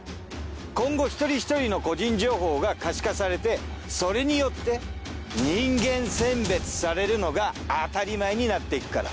今後１人１人の個人情報が可視化されてそれによって人間選別されるのが当たり前になっていくから。